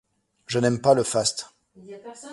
Je n’aime pas le faste.